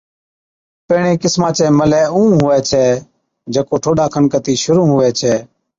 پيهڻي قِسما چَي ملَي اُون هُوَي ڇَي جڪو ٺوڏا کن ڪتِي شرُوع هُوَي ڇَي